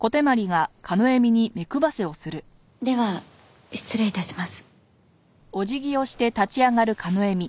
では失礼致します。